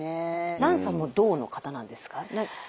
蘭さんも「動」の方なんですか？